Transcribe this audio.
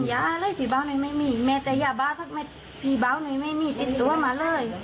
ฝุกย้าอะไรพี่เบาไม่มีแม้แต่ยาบาดสักเม็ดพี่เบาไม่มีติดตัวมาเลย